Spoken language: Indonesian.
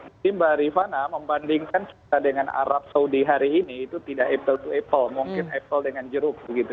ini mbak rifana membandingkan kita dengan arab saudi hari ini itu tidak apple to apple mungkin apple dengan jeruk begitu